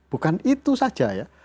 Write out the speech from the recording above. bukan itu saja ya